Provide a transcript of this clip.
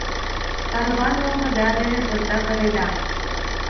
— Тарванылмыда дене пыртак ыреда.